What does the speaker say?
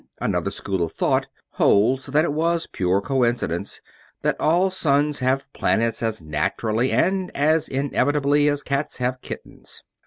Another school of thought holds that it was pure coincidence; that all suns have planets as naturally and as inevitably as cats have kittens.